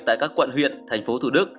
tại các quận huyện thành phố thủ đức